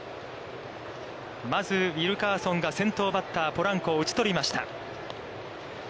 まずウィルカーソンが先頭バッター、ポランコを打ち取りました。